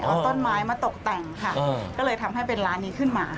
เอาต้นไม้มาตกแต่งค่ะก็เลยทำให้เป็นร้านนี้ขึ้นมา